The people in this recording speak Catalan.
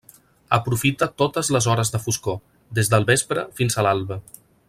Aprofita totes les hores de foscor, des del vespre fins a l'alba.